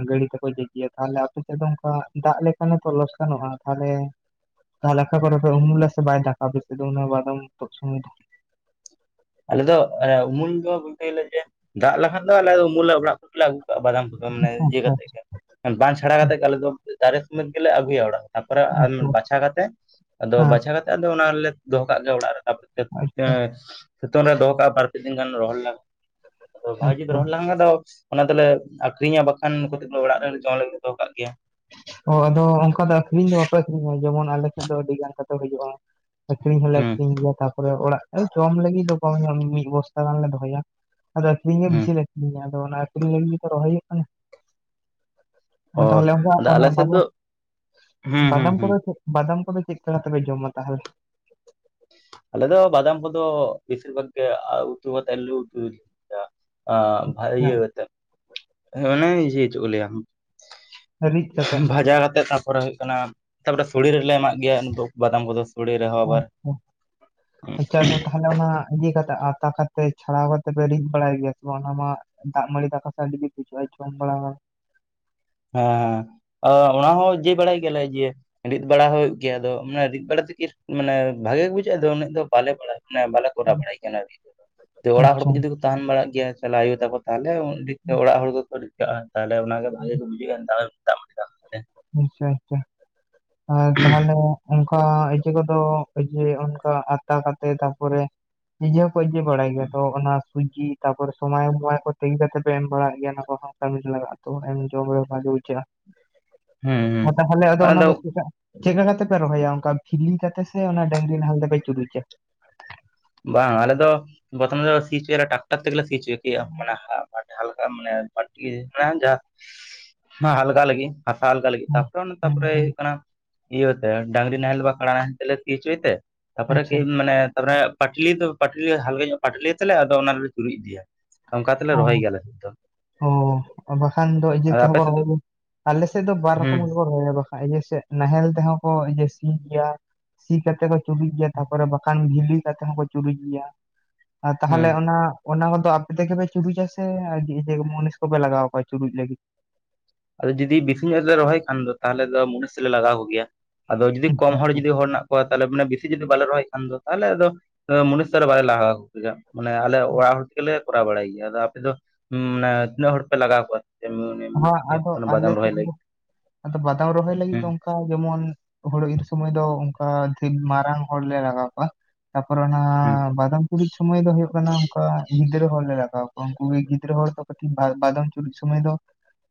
ᱜᱟᱹᱲᱤ ᱛᱮᱠᱚ ᱡᱤᱡ ᱜᱮᱭᱟ ᱛᱟᱦᱚᱞᱮ ᱟᱯᱮ ᱾ ᱪᱮᱫ ᱫᱚ ᱱᱚᱝᱠᱟ ᱫᱟᱜ ᱞᱮᱠᱟᱱ ᱚᱱᱠᱟᱱ ᱞᱚᱥᱠᱟᱱᱚᱜ-ᱟ ᱛᱟᱦᱚᱞᱮ ᱾ ᱛᱟᱦᱚᱞᱮ ᱟᱠᱟ ᱠᱚᱨᱮ ᱩᱢᱩᱞᱞᱟ ᱥᱮ ᱵᱟᱭ ᱫᱟᱜ-ᱟ ᱩᱱᱟᱹᱜ ᱵᱟᱫᱟᱢ ᱛᱩᱫ ᱥᱚᱢᱚᱭ ᱫᱚ ᱾ ᱟᱞᱮ ᱫᱚ ᱩᱢᱩᱞ ᱫᱚ ᱵᱚᱞᱛᱮ ᱜᱮᱞᱮ ᱡᱮ ᱫᱟᱜ ᱞᱮᱠᱷᱟᱱ ᱫᱚ ᱟᱞᱮ ᱩᱢᱩᱞ ᱚᱲᱟᱜ ᱠᱚᱨᱮ ᱨᱮ ᱟᱜᱩ ᱾ ᱵᱟᱫᱟᱢ ᱜᱚᱫᱚ ᱢᱟᱱᱮ ᱤᱭᱟᱹ ᱟᱪᱪᱷᱟ ᱠᱟᱛᱮ ᱜᱮ ᱾ ᱵᱟᱝ ᱪᱷᱟᱲᱟ ᱠᱟᱛᱮᱜ ᱟᱞᱮ ᱫᱚ ᱫᱟᱨᱮ ᱥᱚᱢᱮᱛ ᱜᱮᱞᱮ ᱟᱹᱜᱩᱭᱟ ᱚᱲᱟᱜ ᱛᱟᱨᱯᱚᱨᱮ ᱟᱪᱪᱷᱟ ᱵᱟᱪᱷᱟ ᱠᱟᱛᱮ ᱾ ᱟᱫᱚ ᱵᱟᱪᱷᱟᱣ ᱠᱟᱛᱮᱜ ᱟᱫᱚ ᱚᱱᱟ ᱨᱮᱞᱮ ᱫᱚᱦᱚ ᱠᱟᱜ ᱜᱮᱭᱟ ᱚᱲᱟᱜ ᱨᱮ ᱾ ᱛᱟᱯᱮ ᱦᱮᱸ ᱟᱪᱪᱷᱟ ᱥᱤᱛᱩᱝ ᱨᱮ ᱫᱚᱦᱚ ᱠᱟᱜ-ᱟ ᱵᱟᱨᱯᱮ ᱫᱤᱱ ᱜᱟᱱ ᱨᱚᱦᱚᱲ ᱞᱟᱜᱟ ᱾ ᱟᱫᱚ ᱵᱷᱟᱜᱤ ᱫᱚ ᱟᱪᱪᱷᱟ ᱨᱚᱦᱚᱲ ᱞᱟᱸᱜᱟ ᱫᱚ ᱾ ᱚᱱᱟ ᱫᱚᱞᱮ ᱟᱠᱷᱨᱤᱧᱟ ᱵᱟᱠᱷᱟᱱ ᱠᱟᱴᱤᱡ ᱫᱚ ᱚᱲᱟᱜ ᱨᱮ ᱡᱚᱢ ᱞᱮᱜᱤᱫ ᱞᱮ ᱫᱚᱦᱚ ᱠᱟᱜ ᱜᱮᱭᱟ ᱾ ᱚ ᱟᱫᱚ ᱚᱱᱠᱟ ᱫᱚ ᱟᱠᱷᱨᱤᱧ ᱫᱚ ᱵᱟᱯᱮ ᱟᱠᱷᱨᱤᱧᱟ ᱡᱮᱢᱚᱱ ᱟᱞᱮ ᱴᱷᱮᱡ ᱫᱚ ᱟᱹᱰᱤ ᱜᱟᱱ ᱠᱟᱛᱮ ᱦᱩᱭᱩᱜ-ᱟ ᱾ ᱟᱠᱷᱨᱤᱧ ᱦᱚᱞᱮ ᱦᱩᱸ ᱟᱠᱷᱨᱤᱧ ᱜᱮᱭᱟ ᱛᱟᱨᱯᱚᱨᱮ ᱚᱲᱟᱜ ᱨᱮ ᱠᱚᱨᱮ ᱡᱚᱢ ᱞᱟᱹᱜᱤᱫ ᱫᱚ ᱠᱚᱢ ᱢᱤᱫ ᱵᱚᱥᱛᱟ ᱜᱟᱱᱞᱮ ᱫᱚᱦᱚᱭᱟ ᱾ ᱟᱫᱚ ᱟᱠᱷᱨᱤᱧ ᱜᱮ ᱦᱩᱸ ᱵᱤᱥᱤ ᱞᱮ ᱟᱹᱷᱨᱤᱧᱟ ᱜᱮᱭᱟ ᱟᱫᱚ ᱚᱱᱟ ᱟᱠᱷᱨᱤᱧ ᱞᱟᱹᱜᱤᱫ ᱜᱮᱛᱚ ᱨᱚᱦᱚᱭ ᱦᱩᱭᱩᱜ ᱠᱟᱱᱟ ᱚ ᱾ ᱛᱟᱦᱚᱞᱮ ᱚᱱᱠᱟ ᱟᱫᱚ ᱚᱱᱟ ᱟᱞᱮ ᱥᱮᱫ ᱫᱚ ᱵᱟᱫᱟᱢ ᱦᱩᱸ ᱦᱩᱸ ᱵᱟᱫᱟᱢ ᱦᱩᱸ ᱠᱚᱨᱮ ᱪᱮ ᱾ ᱵᱟᱫᱟᱢ ᱠᱚᱫᱚ ᱪᱮᱫ ᱠᱟ ᱠᱟᱛᱮ ᱯᱮ ᱡᱚᱢᱟ ᱛᱟᱦᱚᱞᱮ? ᱟᱞᱮ ᱫᱚ ᱵᱟᱫᱟᱢ ᱠᱚ ᱫᱚ ᱵᱮᱥᱤᱨ ᱵᱷᱟᱜᱽ ᱜᱮ ᱩᱛᱩ ᱠᱟᱛᱮ ᱟᱞᱩ ᱩᱛᱩ ᱠᱟᱛᱮ ᱼᱼ ᱟ ᱵᱷᱟᱭ ᱤᱭᱟᱹ ᱦᱮᱸ, ᱠᱟᱛᱮᱜ, ᱚᱱᱟ ᱜᱮ ᱡᱮ ᱪᱮᱫ ᱠᱚ ᱞᱟᱹᱭ ᱟ? ᱨᱤᱫ ᱠᱟᱛᱮᱜ ᱵᱷᱟᱡᱟ ᱠᱟᱛᱮ ᱛᱟᱯᱚᱨᱮ ᱦᱩᱭᱩᱜ ᱠᱟᱱᱟ ᱛᱟᱯᱚᱨᱮ ᱥᱚᱲᱮ ᱨᱮᱞᱮ ᱮᱢᱟᱜ ᱜᱮᱭᱟ ᱵᱟᱫᱟᱢ ᱠᱚᱫᱚ ᱾ ᱥᱩᱲᱮ ᱨᱮᱦᱚᱸ ᱟᱵᱟᱨ ᱾ ᱱᱮᱛᱟᱨ ᱢᱟ ᱛᱟᱦᱚᱞᱮ ᱚᱱᱟᱼᱼ ᱠᱟᱛᱮ ᱟᱛᱟ ᱠᱟᱛᱮ ᱪᱷᱟᱲᱟᱣ ᱠᱟᱛᱮ ᱯᱮ ᱨᱤᱫ ᱵᱟᱲᱟᱭ ᱜᱮᱭᱟ ᱥᱮ ᱵᱟᱝ ᱚᱱᱟ ᱢᱟ ᱼᱼ ᱫᱟᱜ ᱢᱟᱹᱲᱤ ᱫᱟᱠᱟ ᱥᱟᱣ ᱡᱩᱫᱤ [UNINTELLIGIBLE] ᱦᱮᱸ ᱚᱱᱟ ᱦᱚᱸ ᱡᱮ ᱵᱟᱲᱟᱭ ᱜᱮᱭᱟ ᱞᱮ ᱡᱮ ᱼᱼ ᱨᱤᱫ ᱵᱟᱲᱟ ᱦᱩᱭᱩᱜ ᱜᱮᱭᱟ ᱟᱫᱚ ᱨᱤᱫ ᱵᱟᱲᱟ ᱛᱮ ᱪᱮᱫ ᱢᱟᱱᱮ ᱵᱷᱟᱜᱮ ᱜᱮ ᱵᱩᱡᱷᱟᱹᱜᱼᱟ ᱟᱫᱚ ᱩᱱᱟᱹᱜ ᱫᱚ ᱵᱟᱞᱮ ᱵᱟᱲᱟᱭᱟ ᱢᱟᱱᱮ ᱵᱟᱞᱮ ᱼᱼ ᱠᱚᱨᱟᱣ ᱵᱟᱲᱟᱭ ᱜᱮᱭᱟ ᱛᱚ ᱚᱲᱟᱜ ᱦᱚᱲ ᱟᱪᱪᱷᱟ ᱠᱚ ᱡᱩᱫᱤ ᱠᱚ ᱛᱟᱦᱮᱱ ᱵᱟᱲᱟᱜ ᱜᱮᱭᱟ ᱛᱟᱞᱟ ᱟᱭᱳ ᱛᱟᱠᱚ ᱼᱼ ᱛᱟᱦᱚᱞᱮ ᱚᱲᱟᱜ ᱦᱚᱲ ᱠᱚᱠᱚ ᱨᱤᱫ ᱠᱟᱜᱼᱟ, ᱛᱟᱦᱚᱞᱮ ᱚᱱᱟᱜᱮ ᱵᱷᱟᱜᱤ ᱠᱚ ᱵᱩᱡᱷᱟᱹᱜᱼᱟ ᱼᱼ ᱟᱪᱪᱷᱟ ᱟᱪᱪᱷᱟ ᱾ ᱦᱮ ᱛᱟᱦᱚᱞᱮ ᱚᱱᱠᱟ ᱤᱭᱟᱹ ᱠᱚᱫᱚ ᱤᱭᱟᱹ ᱚᱱᱠᱟ ᱟᱛᱟ ᱠᱟᱛᱮ ᱛᱟᱯᱚᱨᱮᱼᱼ ᱤᱭᱟᱹ ᱠᱚ ᱤᱭᱟᱹ ᱵᱟᱲᱟᱭ ᱜᱮᱭᱟ ᱛᱚ ᱚᱱᱟ ᱼᱼ ᱥᱩᱡᱤ ᱛᱟᱯᱚᱨ ᱥᱚᱢᱚᱭ ᱱᱚᱣᱟ ᱠᱚ ᱛᱤᱠᱤ ᱠᱟᱛᱮ ᱯᱮ ᱮᱢ ᱵᱟᱲᱟᱜ ᱜᱮᱭᱟ ᱚᱱᱟ ᱠᱚ ᱦᱚᱸ ᱠᱟᱹᱢᱤ ᱨᱮ ᱞᱟᱜᱟᱜᱼᱟ ᱛᱚ ᱮᱢ ᱡᱚᱢ ᱨᱮ ᱵᱷᱟᱜᱤ ᱵᱩᱡᱷᱟᱹᱜᱼᱟ ᱾ ᱦᱩᱸ ᱦᱩᱸ ᱚ ᱛᱟᱦᱚᱞᱮ ᱟᱫᱚ ᱚᱱᱟ ᱫᱚ ᱪᱮᱫᱟᱜ ᱼᱼ ᱪᱮᱫ ᱞᱮᱠᱟ ᱠᱟᱛᱮ ᱯᱮ ᱨᱚᱦᱚᱭᱟ ᱚᱱᱠᱟ ᱵᱷᱤᱞᱤ ᱠᱟᱛᱮ ᱥᱮ ᱚᱱᱟ ᱰᱟᱝᱨᱤ ᱱᱟᱞᱮᱞ ᱛᱮᱯᱮ ᱪᱩᱨᱩᱡᱟ? ᱵᱟᱝ ᱟᱞᱮ ᱫᱚ ᱯᱚᱨᱚᱛᱷᱚᱢ ᱫᱚ ᱥᱤ ᱦᱚᱪᱚᱭᱟᱞᱮ ᱴᱟᱠᱴᱟᱨ ᱛᱮᱜᱮ ᱥᱤ ᱦᱚᱪᱚᱭ ᱜᱮᱭᱟ ᱼᱼ ᱦᱟᱞᱠᱟ ᱢᱟᱱᱮ [UNINTELLIGIBLE] ᱡᱟᱦᱟ ᱟᱞᱜᱟ ᱞᱟᱹᱜᱤᱫ ᱾ ᱦᱟᱥᱟ ᱟᱞᱜᱟ ᱞᱟᱹᱜᱤᱫ ᱦᱮᱸ ᱛᱟᱯᱚᱨᱮ ᱦᱮᱸ ᱛᱟᱯᱚᱨᱮ ᱦᱮᱸ ᱦᱩᱭᱩᱜ ᱠᱟᱱᱟ ᱼᱼ ᱤᱭᱟᱹ ᱛᱮ ᱰᱟᱝᱨᱤ ᱱᱟᱦᱮᱞ ᱵᱟ ᱠᱟᱲᱟ ᱱᱟᱦᱮᱞ ᱛᱮᱞᱮ ᱥᱤ ᱦᱚᱪᱚᱭ ᱛᱮ ᱛᱟᱯᱚᱨ ᱟᱪᱪᱷᱟ ᱢᱟᱱᱮ ᱛᱟᱯᱚᱨᱮᱼᱼ ᱠᱟᱴᱞᱤ ᱫᱚ ᱠᱟᱴᱞᱤ ᱵᱷᱟᱜᱮ ᱧᱚᱜ ᱠᱟᱴᱞᱤ ᱛᱮᱞᱮ ᱟᱫᱚ ᱚᱱᱟᱞᱮ ᱪᱩᱨᱩᱡ ᱤᱫᱤᱭᱟ ᱾ ᱢᱟᱱᱮ ᱨᱚᱦᱟᱭ ᱚ ᱜᱮᱭᱟᱞᱮ ᱾ ᱚ ᱵᱟᱠᱷᱟᱱ ᱫᱚ ᱤᱭᱟᱹ ᱟᱫᱚ ᱛᱮᱦᱚᱸ ᱟᱯᱮ ᱠᱚ ᱥᱮᱫ ᱫᱚ ᱨᱚᱦᱚᱭ ᱟᱞᱮ ᱥᱮᱫ ᱫᱚ ᱵᱟᱨ ᱨᱚᱠᱚᱢ ᱦᱩᱸ ᱜᱮ ᱠᱚ ᱨᱚᱦᱚᱭᱟ ᱾ ᱤᱭᱟᱹ ᱥᱮᱫ ᱱᱟᱦᱮᱞ ᱛᱮᱦᱚᱸ ᱠᱚ ᱤᱭᱟᱹ ᱥᱤ ᱜᱮᱭᱟ ᱾ ᱥᱤ ᱠᱟᱛᱮ ᱠᱚ ᱪᱩᱨᱩᱡ ᱜᱮᱭᱟ ᱛᱟᱯᱚᱨᱮ ᱵᱟᱠᱷᱟᱱ ᱵᱷᱤᱞᱤ ᱠᱟᱛᱮ ᱦᱚᱸᱠᱚ ᱪᱩᱨᱩᱡ ᱜᱮᱭᱟ ᱾ ᱦᱩᱸ ᱛᱟᱦᱚᱞᱮ ᱚᱱᱟ ᱚᱱᱟ ᱠᱚᱫᱚ ᱟᱯᱮ ᱛᱮᱜᱮ ᱯᱮ ᱼᱼ ᱪᱩᱨᱩᱡ ᱟᱥᱮ ᱤᱭᱟ ᱢᱚᱱᱤᱥ ᱠᱚᱯᱮ ᱞᱟᱜᱟᱣ ᱠᱚᱣᱟ ᱪᱩᱨᱩᱡ ᱞᱟᱹᱜᱤᱫ? ᱟᱫᱚ ᱡᱩᱫᱤ ᱵᱮᱥᱤ ᱧᱚᱜ ᱨᱚᱦᱚᱭ ᱠᱷᱟᱱ ᱫᱚ ᱛᱟᱦᱚᱞᱮ ᱫᱚ ᱢᱩᱱᱤᱥ ᱞᱮ ᱞᱟᱜᱟᱣ ᱠᱚ ᱜᱮᱭᱟ ᱾ ᱟᱫᱚ ᱡᱩᱫᱤ ᱠᱚᱢ ᱦᱚᱲ ᱡᱩᱫᱤ ᱦᱚᱲ ᱦᱮᱱᱟᱜ ᱼᱼ ᱠᱚᱣᱟ ᱛᱟᱦᱞᱮ ᱢᱟᱱᱮ ᱵᱮᱥᱤ ᱡᱩᱫᱤ ᱵᱟᱞᱮ ᱨᱚᱦᱚᱭ ᱠᱷᱟᱱ ᱫᱚ ᱛᱟᱦᱚᱞᱮ ᱟᱫᱚ ᱢᱩᱱᱤᱥ ᱫᱚ ᱟᱫᱚ ᱵᱟᱞᱮ ᱞᱟᱜᱟᱣ ᱠᱚ ᱜᱮᱭᱟ ᱾ ᱢᱟᱱᱮ ᱟᱞᱮ ᱚᱲᱟᱜ ᱦᱚᱲ ᱜᱮᱞᱮ ᱠᱚᱨᱟᱣ ᱵᱟᱲᱟᱭ ᱜᱮᱭᱟ ᱾ ᱟᱫᱚ ᱟᱯᱮ ᱫᱚ ᱢᱟᱱᱮ ᱛᱤᱱᱟᱹᱜ ᱦᱚᱲ ᱯᱮ ᱞᱟᱜᱟᱣ ᱠᱚᱣᱟ? ᱦᱚᱸ ᱟᱫᱚ ᱟᱞᱮ ᱵᱟᱫᱟᱢ ᱨᱚᱦᱚᱭ ᱥᱮᱫ ᱫᱚ ᱞᱟᱹᱜᱤᱫ ᱟᱫᱚ ᱵᱟᱫᱟᱢ ᱨᱚᱦᱚᱭ ᱞᱟᱹᱜᱤᱫ ᱦᱩᱸ ᱫᱚ ᱼᱼ ᱚᱱᱠᱟ ᱡᱮᱢᱚᱱ ᱦᱩᱲᱩ ᱤᱨ ᱥᱚᱢᱚᱭ ᱫᱚ ᱚᱱᱠᱟ ᱰᱷᱤᱨ ᱢᱟᱨᱟᱝ ᱦᱚᱲ ᱞᱮ ᱞᱟᱜᱟᱣ ᱠᱚᱣᱟ ᱾ ᱛᱟᱯᱚᱨᱮ ᱦᱩᱸ ᱱᱟᱦᱟᱜ ᱵᱟᱫᱟᱢ ᱼᱼ ᱪᱩᱨᱩᱡ ᱥᱚᱢᱚᱭ ᱫᱚ ᱦᱩᱭᱩᱜ ᱠᱟᱱᱟ ᱚᱱᱠᱟ ᱜᱤᱫᱽᱨᱟᱹ ᱦᱚᱲ ᱞᱮ ᱞᱟᱜᱣᱟ ᱠᱚᱣᱟ ᱾ ᱩᱱᱠᱩ ᱜᱮ ᱜᱤᱫᱽᱨᱟᱹ ᱦᱚᱲ ᱫᱚ ᱠᱟᱹᱴᱤᱡ ᱵᱟᱫᱟᱢ ᱼᱼ ᱪᱩᱨᱩᱡ ᱥᱚᱢᱚᱭ ᱫᱚ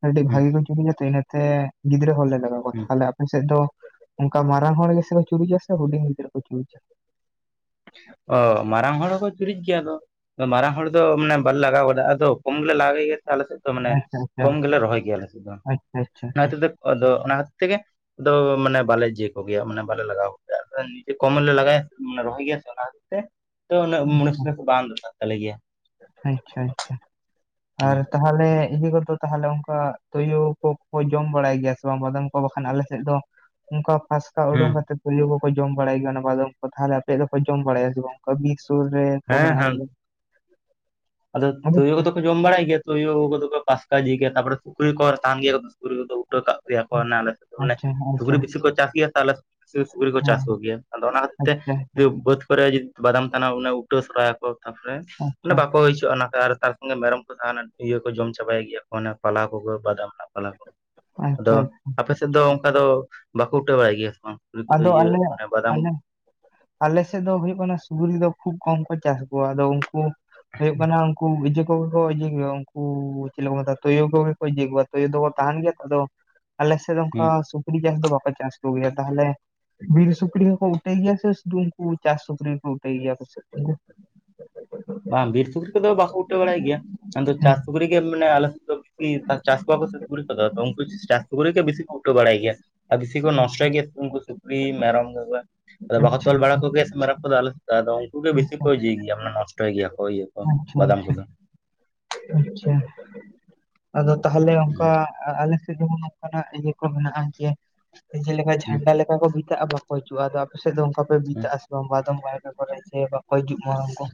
ᱠᱟᱹᱴᱤᱡ ᱦᱩᱸ ᱵᱷᱟᱜᱤ ᱠᱚ ᱪᱩᱨᱩᱡᱟ ᱛᱚ ᱤᱱᱟᱹᱛᱮ ᱜᱤᱫᱽᱨᱟᱹ ᱦᱚᱲ ᱞᱮ ᱞᱟᱜᱟᱣ ᱠᱚᱣᱟ ᱾ ᱦᱩᱸ ᱛᱟᱦᱞᱮ ᱟᱯᱮ ᱥᱮᱫ ᱫᱚ ᱼᱼ ᱚᱱᱠᱟ ᱢᱟᱨᱟᱝ ᱦᱚᱲ ᱜᱮ ᱥᱮ ᱠᱚ ᱪᱩᱨᱩᱡᱟ ᱥᱮ ᱦᱩᱰᱤᱧ ᱜᱤᱫᱽᱨᱟᱹ ᱠᱚ ᱪᱩᱨᱩᱡᱟ? ᱚ ᱢᱟᱨᱟᱝ ᱦᱚᱲ ᱦᱚᱸᱠᱚ ᱪᱩᱨᱩᱡ ᱜᱮᱭᱟ ᱟᱫᱚ ᱼᱼ ᱢᱟᱨᱟᱝ ᱦᱚᱲ ᱫᱚ ᱢᱟᱱᱮ ᱵᱟᱞᱮ ᱞᱟᱜᱟᱣ ᱜᱚᱫᱟ ᱟᱫᱚ ᱠᱚᱢ ᱞᱮ ᱞᱟᱜᱟᱣ ᱜᱮᱭᱟ ᱟᱞᱮ ᱥᱮᱫ ᱫᱚ ᱼᱼ ᱢᱟᱱᱮ ᱟᱪᱪᱷᱟ ᱟᱪᱪᱷᱟ ᱠᱚᱢ ᱜᱮᱞᱮ ᱨᱚᱦᱚᱭ ᱜᱮᱭᱟ ᱟᱞᱮ ᱥᱮᱫ ᱫᱚ ᱟᱪᱪᱷᱟ ᱾ ᱚᱱᱟ ᱟᱪᱪᱷᱟ ᱠᱷᱟᱹᱛᱤᱨ ᱛᱮ ᱟᱫᱚ ᱚᱱᱟ ᱠᱷᱟᱹᱛᱤᱨ ᱛᱮᱜᱮ ᱼᱼ ᱟᱫᱚ ᱢᱟᱱᱮ ᱵᱟᱞᱮ ᱤᱭᱟᱹ ᱠᱚ ᱜᱮᱭᱟ, ᱢᱟᱱᱮ ᱵᱟᱞᱮ ᱞᱟᱜᱟᱣ ᱠᱚᱜᱮᱭᱟ ᱾ ᱟᱫᱚ ᱱᱤᱡᱮ ᱠᱚᱢ ᱞᱮ ᱞᱟᱜᱟᱣ ᱜᱮᱭᱟ ᱥᱮ ᱢᱟᱱᱮ ᱨᱚᱦᱚᱭ ᱜᱮᱭᱟ ᱥᱮ ᱾ ᱛᱚ ᱩᱱᱟᱹᱜ ᱢᱩᱱᱤᱥ ᱯᱩᱱᱤᱥ ᱵᱟᱝ ᱫᱚᱨᱠᱟᱨᱚᱜ ᱛᱟᱞᱮ ᱜᱮᱭᱟ ᱾ ᱟᱪᱪᱷᱟ ᱟᱪᱪᱷᱟ ᱦᱩᱸ ᱟᱨ ᱛᱟᱦᱚᱞᱮ ᱼᱼ ᱤᱭᱟᱹ ᱠᱚ ᱫᱚ ᱛᱟᱦᱚᱞᱮ ᱚᱱᱠᱟ ᱛᱩᱭᱩ ᱠᱚᱠᱚ ᱡᱚᱢ ᱵᱟᱲᱟᱭ ᱜᱮᱭᱟ ᱥᱮ ᱵᱟᱝ ᱵᱟᱫᱟᱢ ᱠᱚ ᱵᱟᱠᱷᱟᱱ ᱟᱞᱮ ᱥᱮᱫ ᱫᱚ ᱼᱼ ᱚᱱᱠᱟ ᱯᱟᱥ ᱼᱼ ᱩᱰᱩᱝ ᱠᱟᱛᱮ ᱛᱩᱭᱩ ᱠᱚᱠᱚ ᱡᱚᱢ ᱵᱟᱲᱟᱭ ᱜᱮᱭᱟ ᱚᱱᱟ ᱵᱟᱫᱚᱢ ᱠᱚ ᱾ ᱛᱟᱦᱚᱞᱮ ᱟᱯᱮᱭᱟᱜ ᱫᱚᱠᱚ ᱡᱚᱢ ᱵᱟᱲᱟᱭᱟ ᱥᱮ ᱵᱟᱝ ᱚᱱᱠᱟ ᱼᱼ ᱥᱩᱨ ᱨᱮ ᱠᱚ ᱦᱮᱸ ᱢᱮᱱᱟᱜ- ᱟ ᱦᱮᱸ ᱥᱮ ᱵᱟᱝ? ᱟᱫᱚ ᱛᱳᱭᱳ ᱠᱚ ᱫᱚ ᱼᱼ ᱡᱚᱢ ᱵᱟᱲᱟᱭ ᱜᱮᱭᱟ ᱛᱳᱭᱳ ᱠᱚ ᱫᱚ ᱠᱚ ᱯᱟᱥᱠᱟ ᱜᱮᱭᱟ ᱾ ᱛᱟᱯᱚᱨᱮ ᱥᱩᱠᱨᱤ ᱠᱚ ᱛᱟᱦᱮᱱ ᱜᱮᱭᱟ ᱠᱚ ᱥᱩᱠᱨᱤ ᱠᱟᱫᱟ ᱠᱚ ᱩᱴᱟᱹ ᱼᱼ ᱠᱟᱜ ᱟᱪᱪᱷᱟ [UNINTELLIGIBLE] ᱥᱩᱠᱨᱤ ᱟᱪᱪᱷᱟ ᱵᱮᱥᱤ ᱠᱚ ᱪᱟᱥ ᱜᱮᱭᱟ ᱥᱮ ᱟᱞᱮ ᱵᱤᱥᱤ ᱥᱩᱠᱨᱤ ᱠᱚ ᱦᱮᱸ ᱪᱟᱥ ᱠᱚᱜᱮᱭᱟ ᱟᱫᱚ ᱚᱱᱟ ᱠᱷᱟᱹᱛᱤᱨ ᱛᱮ ᱟᱪᱪᱷᱟ ᱟᱪᱪᱷᱟ ᱡᱩ ᱵᱟᱹᱫᱽ ᱠᱚᱨᱮ ᱵᱟᱫᱟᱢ ᱛᱟᱱᱟ ᱩᱴᱟᱹ ᱥᱚᱨᱭᱟᱠᱚ ᱛᱟᱯᱚᱨ ᱟᱪᱪᱷᱟ ᱵᱟᱠᱚ ᱛᱚ ᱚᱱᱟ ᱛᱮ ᱟᱨ ᱛᱟᱨ ᱥᱚᱸᱜᱮ ᱢᱮᱨᱚᱢ ᱠᱚ ᱛᱟᱦᱮ ᱤᱭᱟᱹ ᱠᱚ ᱡᱚᱢ ᱪᱟᱵᱟᱭ ᱜᱮᱭᱟ ᱠᱚ ᱯᱟᱞᱦᱟ ᱠᱚ ᱡᱚᱢ ᱪᱟᱵᱟᱭ ᱜᱮᱭᱟ᱾ ᱟᱫᱚ ᱟᱪᱪᱷᱟ ᱟᱯᱮ ᱥᱮᱫ ᱫᱚ ᱚᱱᱠᱟ ᱫᱚ ᱵᱟᱠᱚ ᱩᱴᱟ ᱵᱟᱲᱟᱭ ᱜᱮᱭᱟ ᱥᱮ ᱵᱟᱝ? ᱥᱩᱠᱨᱤ ᱠᱚᱫᱚ ᱤᱭᱟᱹ ᱚᱱᱮ ᱵᱟᱫᱟᱢ ᱟᱞᱮᱥᱮᱫ ᱫᱚ ᱦᱳᱭᱳᱜ ᱠᱟᱱᱟ ᱥᱩᱠᱨᱤ ᱫᱚ ᱠᱷᱩᱵ ᱠᱚᱢ ᱠᱚ ᱪᱟᱥ ᱠᱚᱣᱟ ᱟᱫᱚ ᱩᱱᱠᱩ ᱦᱳᱭᱳᱜ ᱠᱟᱱᱟ ᱩᱱᱠᱩ ᱤᱡᱮ ᱠᱚᱜᱮ ᱠᱚ ᱤᱡᱮ ᱩᱱᱠᱩ ᱪᱮᱫ ᱠᱚ ᱢᱮᱛᱟᱜᱼᱟ ᱛᱩᱭᱩ ᱠᱚᱜᱮ ᱠᱚ ᱤᱭᱟᱹ ᱠᱚᱣᱟ ᱛᱩᱭᱩ ᱫᱚᱠᱚ ᱛᱟᱦᱮᱱ ᱜᱮᱭᱟ ᱟᱫᱚ ᱟᱞᱮᱥᱮᱫ ᱫᱚ ᱦᱩᱸ ᱚᱱᱠᱟ ᱥᱩᱠᱨᱤ ᱪᱟᱥ ᱫᱚ ᱵᱟᱠᱚ ᱪᱟᱥ ᱠᱚ ᱜᱮᱭᱟ ᱛᱟᱦᱚᱞᱮ, ᱵᱤᱱ ᱥᱩᱠᱨᱤ ᱦᱚᱠᱚ ᱩᱴᱟᱹᱭ ᱜᱮᱭᱟ ᱥᱮ ᱥᱩᱫᱷᱩ ᱩᱱᱠᱩ ᱪᱟᱥ ᱥᱩᱠᱨᱤ ᱠᱚ ᱩᱴᱟᱭ ᱜᱮᱭᱟ ᱠᱚ ᱥᱮ [INAUDIBLE] ᱵᱟᱝ ᱵᱤᱨ ᱥᱩᱠᱨᱤ ᱠᱚᱫᱚ ᱵᱟᱠᱚ ᱩᱴᱟᱹᱣ ᱵᱟᱲᱟᱭ ᱜᱮᱭᱟ ᱟᱫᱚ ᱦᱩᱸ ᱪᱟᱥ ᱥᱩᱠᱨᱤ ᱜᱮ ᱢᱟᱱᱮ ᱟᱞᱮ ᱪᱟᱥ ᱠᱚᱣᱟ ᱠᱚ ᱜᱮᱭᱟ ᱠᱚ ᱩᱱᱠᱩ ᱪᱟᱥ ᱠᱚ ᱜᱮ ᱵᱤᱥᱤ ᱠᱚ ᱩᱴᱟᱹ ᱵᱟᱲᱟᱭ ᱜᱮᱭᱟ᱾ ᱟᱨ ᱵᱤᱥᱤ ᱠᱚ ᱱᱚᱥᱴᱚᱭ ᱜᱮᱭᱟ ᱩᱱᱠᱩ ᱥᱩᱠᱨᱤ ᱢᱮᱨᱚᱢ ᱠᱚᱫᱚ ᱟᱫᱚ ᱵᱟᱠᱚ ᱟᱪᱪᱷᱟ ᱛᱚᱞ ᱵᱟᱲᱟ ᱠᱚᱜᱭᱟ ᱥᱮ ᱢᱮᱨᱚᱢ ᱠᱚᱫᱚ ᱟᱞᱮ ᱛᱟᱦ ᱫᱚ ᱩᱱᱠᱩ ᱜᱮ ᱵᱮᱥᱤ ᱠᱚ ᱤᱭᱟᱭ ᱜᱮᱭᱟ ᱢᱟᱱᱮ ᱱᱚᱥᱴᱚᱭ ᱜᱮᱭᱟ ᱤᱭᱟ ᱟᱪ ᱪᱷᱟ ᱟᱪ ᱪᱷᱟ ᱟᱪᱪᱷᱟ ᱟᱫᱚ ᱛᱟᱦᱮᱞᱮ ᱚᱱᱠᱟ ᱦᱮᱸ ᱟᱞᱮ ᱥᱮᱫ ᱨᱮ ᱱᱚᱝᱠᱟᱱᱟᱜ ᱤᱭᱟᱹ ᱠᱚ ᱢᱮᱱᱟᱜᱼᱟ ᱡᱮ ᱡᱮᱞᱮᱠᱟ ᱦᱮᱸ ᱦᱮᱸ ᱡᱷᱟᱱᱰᱟ ᱞᱮᱠᱟ [UNINTELLIGIBLE] ᱵᱟᱠᱚ ᱦᱤᱡᱩᱜᱼᱟ ᱟᱫᱚ ᱟᱯᱮ ᱥᱮᱫ ᱫᱚ ᱚᱱᱠᱟ ᱯᱮ ᱵᱤᱜᱼᱟ ᱥᱮ [UNINTELLIGIBLE] ᱠᱚᱨᱮ ᱥᱮ ᱵᱟᱠᱚ ᱦᱤᱡᱩᱜ ᱢᱟ ᱩᱱᱠᱩ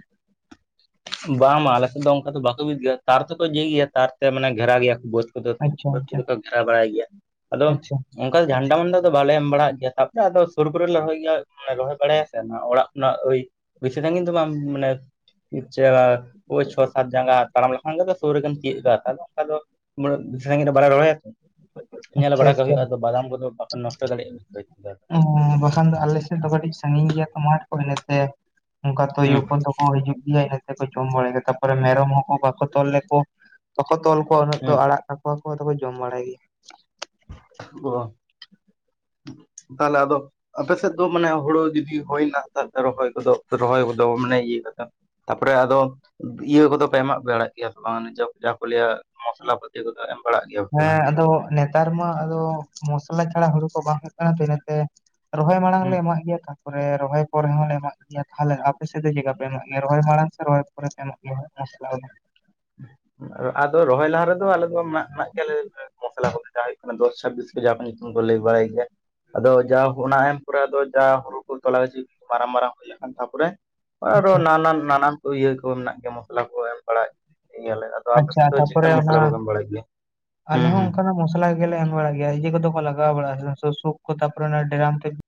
ᱵᱟᱝ ᱟᱞᱮᱥᱮᱫ ᱫᱚ ᱚᱱᱠᱟ ᱫᱚ ᱵᱟᱠᱚ ᱵᱤᱫ ᱜᱮᱭᱟ, ᱛᱟᱨ ᱠᱚᱫᱚ ᱤᱭᱟᱹ ᱜᱮᱭᱟ ᱛᱟᱨ ᱛᱮ ᱢᱟᱱᱮ ᱜᱷᱮᱨᱟ ᱜᱮᱭᱟ ᱠᱚ ᱵᱟᱹᱫᱽ ᱟᱪᱪᱷᱟ ᱵᱟᱹᱫᱽ ᱟᱪᱪᱷᱟ ᱠᱚᱫᱚ ᱠᱚ ᱜᱷᱮᱨᱟ ᱵᱟᱲᱟᱭ ᱜᱮᱭᱟ ᱟᱫᱚ ᱟᱪᱪᱷᱟ ᱚᱱᱠᱟ ᱫᱚ ᱡᱷᱟᱱᱰᱟ ᱢᱟᱱᱰᱟ ᱫᱚ ᱵᱟᱞᱮ ᱮᱢ ᱵᱟᱲᱟᱜ ᱜᱮᱭᱟ ᱛᱟᱯᱚᱨᱮ ᱟᱫᱚ ᱥᱩᱨ ᱠᱚᱨᱮ ᱞᱮ ᱨᱚᱦᱚᱭ ᱜᱮᱭᱟ ᱨᱚᱦᱚᱭ ᱵᱟᱲᱟᱭᱟ ᱥᱮ ᱚᱲᱟᱜ ᱠᱷᱚᱱᱟᱜ ᱚᱭ ᱵᱮᱥᱮ ᱥᱟᱹᱜᱤᱧ ᱠᱤᱱᱛᱩ ᱵᱟᱝ ᱢᱟᱱᱮ ᱩᱭ ᱪᱷᱚ ᱥᱟᱛ ᱡᱟᱸᱜᱟ ᱛᱟᱲᱟᱢ ᱞᱮᱠᱷᱟᱱ ᱥᱩᱨ ᱨᱮᱜᱮᱢ ᱛᱤᱭᱩᱜ ᱫᱟ ᱚᱱᱠᱟ ᱫᱚ ᱩᱱᱟᱹᱜ ᱥᱟᱹᱜᱤᱧ ᱨᱮ ᱵᱟᱨᱭᱟ ᱨᱚᱦᱚᱭᱟ ᱠᱤ ᱧᱮᱞ ᱟᱪᱪᱷᱟ ᱵᱟᱲᱟ ᱠᱚ ᱟᱪᱪᱷᱟ ᱦᱩᱭᱩᱜᱼᱟ ᱟᱫᱚ ᱵᱟᱫᱟᱢ ᱠᱚᱫᱚ ᱵᱟᱠᱚ ᱱᱚᱥᱴᱚ ᱫᱟᱲᱮᱭᱟᱜᱼᱟ᱾ ᱵᱟᱠᱷᱟᱱ ᱫᱚ ᱟᱞᱮ ᱥᱮᱫ ᱫᱚ ᱠᱟᱹᱴᱤᱡ ᱥᱟᱺᱜᱤᱧ ᱜᱮᱭᱟ ᱛᱚ ᱢᱟᱴ ᱠᱚ ᱤᱱᱟᱹᱛᱮ ᱚᱱᱠᱟ ᱛᱩᱭᱩ ᱦᱩᱸ ᱠᱚᱫᱚ ᱠᱚ ᱦᱤᱡᱩᱜ ᱜᱮᱭᱟ ᱡᱚᱢ ᱵᱟᱲᱟᱭ ᱜᱮᱭᱟ ᱛᱟᱯᱚᱨᱮ ᱢᱮᱨᱚᱢ ᱦᱚᱸᱠᱚ ᱵᱟᱠᱚ ᱛᱚᱞ ᱞᱮᱠᱚ ᱵᱟᱠᱚ ᱛᱚᱞ ᱠᱚᱣᱟ ᱩᱱᱟᱹᱜ ᱫᱚ, ᱦᱩᱸ ᱟᱲᱟᱜ ᱚ ᱠᱚᱠᱚ ᱫᱚᱠᱚ ᱡᱚᱢ ᱵᱟᱲᱟᱭ ᱜᱮᱭᱟ᱾ ᱚ, ᱛᱟᱦᱚᱞᱮ ᱟᱫᱚ ᱟᱯᱮ ᱥᱮᱫ ᱫᱚ ᱢᱟᱱᱮ ᱦᱩᱲᱩ ᱡᱩᱫᱤ ᱦᱩᱭᱱᱟ ᱛᱟᱨᱯᱚᱨᱮ ᱨᱚᱦᱚᱭ ᱠᱚᱫᱚ ᱨᱚᱦᱚᱭ ᱠᱚᱫᱚ ᱢᱟᱱᱮ ᱤᱭᱟᱹ ᱠᱟᱫᱟ ᱛᱟᱯᱚᱨᱮ ᱟᱫᱚ ᱤᱭᱟᱹ ᱠᱚᱫᱚ ᱠᱚ ᱮᱢᱟᱜ ᱵᱟᱲᱟᱭ ᱜᱮᱭᱟ ᱵᱟᱝ ᱡᱟ ᱠᱚ ᱞᱟᱹᱭᱟ ᱢᱚᱥᱞᱟ ᱯᱟᱹᱛᱤ ᱠᱚᱫᱚ ᱵᱟᱲᱟᱜ ᱜᱮᱭᱟ ᱯᱮ ᱦᱮᱸ ᱵᱟᱝ? ᱟᱫᱚ ᱱᱮᱛᱟᱨ ᱢᱟ ᱟᱫᱚ ᱢᱚᱥᱞᱟ ᱪᱷᱟᱲᱟ ᱦᱩᱲᱩ ᱠᱚ ᱵᱟᱝ ᱦᱩᱭᱩᱜ ᱠᱟᱱᱟ ᱛᱚ ᱤᱱᱟᱹᱛᱮ ᱨᱚᱦᱚᱭ ᱢᱟᱲᱟᱝ ᱞᱮ ᱮᱢᱟᱜ ᱜᱮᱭᱟ, ᱛᱟᱯᱚᱨᱮ ᱨᱚᱦᱚᱭ ᱠᱚᱨᱮ ᱦᱚᱸᱞᱮ ᱮᱢᱟᱜ ᱜᱮᱭᱟ᱾ ᱴᱭᱟ ᱛᱟᱦᱚᱞᱮ ᱟᱯᱮ ᱥᱮᱫ ᱫᱚ ᱪᱮᱠᱟ ᱯᱮ ᱮᱢᱟᱜ ᱜᱮᱭᱟ ᱨᱚᱦᱚᱭ ᱢᱟᱲᱟᱝ ᱥᱮ ᱨᱚᱦᱚᱭ ᱯᱚᱨᱮ ᱯᱮ ᱮᱢᱟᱜ ᱜᱮᱭᱟ ᱟᱫᱚ ᱨᱚᱦᱚᱭ ᱞᱟᱦᱟ ᱨᱮᱫᱚ ᱟᱞᱮ ᱫᱚ ᱱᱟᱜ ᱢᱮᱱᱟᱜᱱᱟᱜ ᱜᱮᱭᱟᱞᱮ ᱢᱚᱥᱞᱟ ᱠᱚᱫᱚ ᱡᱟᱦᱟᱸ ᱦᱩᱭᱩᱜ ᱠᱟᱱᱟ ᱫᱚᱥ ᱪᱷᱟᱵᱤᱥ ᱠᱚ ᱡᱟ ᱧᱩᱛᱩᱢ ᱠᱚ ᱞᱟᱹᱭ ᱵᱟᱲᱟᱭ ᱜᱮᱭᱟ᱾ ᱟᱫᱚ ᱡᱟ ᱚᱱᱟ ᱮᱢ ᱯᱚᱨᱮ ᱟᱫᱚ ᱡᱟ ᱦᱩᱲᱩ ᱠᱚ ᱛᱚᱞᱟ ᱜᱟᱪᱷᱤ ᱢᱟᱨᱟᱝ ᱢᱟᱨᱟᱝ ᱦᱩᱭ ᱟᱠᱟᱱ ᱛᱟᱯᱚᱨᱮ ᱟᱨᱚ ᱟᱪᱪᱷᱟ ᱱᱟᱱᱟ ᱱᱟᱱᱟᱱ ᱤᱭᱟᱹ ᱠᱚ ᱢᱮᱱᱟᱜ ᱜᱮᱭᱟ ᱢᱚᱥᱞᱟ ᱠᱚ ᱮᱢ ᱵᱟᱲᱟᱭ ᱤᱭᱟᱹᱞᱮ ᱟᱪᱪᱷᱟ ᱛᱟᱯᱚᱨᱮ ᱚᱱᱟ ᱟᱞᱮ ᱦᱩᱸ ᱦᱚᱸ ᱦᱩᱸ ᱚᱱᱠᱟᱱᱟᱜ ᱢᱚᱥᱚᱞᱟ ᱜᱮᱞᱮ ᱮᱢ ᱵᱟᱲᱟᱭ ᱜᱮᱭᱟ ᱤᱭᱟᱹ ᱠᱚᱫᱚ ᱞᱟᱜᱟᱣ ᱞᱟᱜᱟᱣ [UNINTELLIGIBLE]